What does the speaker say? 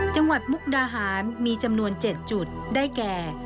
มุกดาหารมีจำนวน๗จุดได้แก่